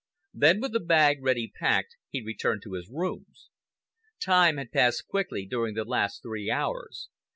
Then, with the bag ready packed, he returned to his rooms. Time had passed quickly during the last three hours.